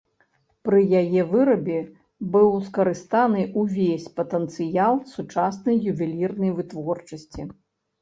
Пры яе вырабе быў скарыстаны ўвесь патэнцыял сучаснай ювелірнай вытворчасці.